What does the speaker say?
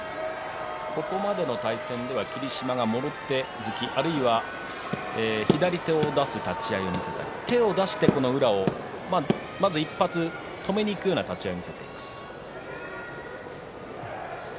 ここまでの対戦では霧島がもろ手突き、あるいは左手の手を出して宇良を１発止めにいくような立ち合いを見せています。